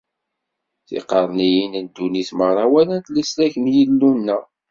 Tiqerniyin n ddunit merra walant leslak n Yillu-nneɣ.